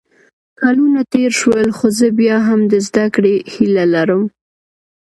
کلونه تېر شول خو زه بیا هم د زده کړې هیله لرم